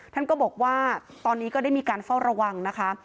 ท่านก็บอกว่าตอนนี้ก็ได้มีการเฝ้าระวังนะคะ